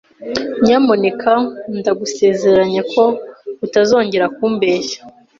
Nyamuneka ndagusezeranya ko utazongera kumbeshya